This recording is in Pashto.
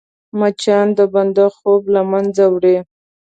مچان د بنده خوب له منځه وړي